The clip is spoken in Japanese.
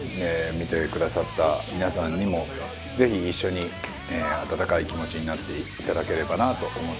見てくださった皆さんにもぜひ一緒に温かい気持ちになっていただければなと思っております。